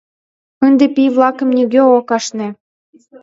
Ынде пий-влакым нигӧ ок ашне.